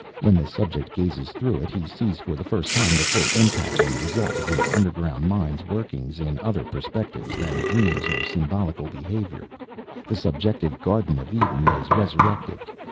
When the subject gazes through it, he sees for the first time the full impact and result of his underground mind's workings in other perspectives than dreams or symbolical behavior. The subjective Garden of Eden is resurrected.